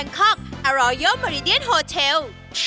ขอบคุณมากทุกคน